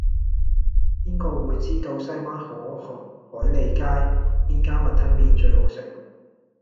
邊個會知道西灣河海利街邊間雲吞麵最好食